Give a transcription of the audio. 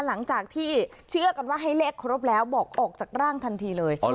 หลังจากที่เชื่อกันว่าให้เลขครบแล้วบอกออกจากร่างทันทีเลย